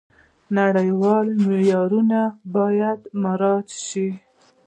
نړیوال معیارونه باید مراعات شي.